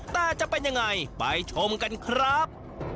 แต่จะเป็นยังไงไปชมกันครับ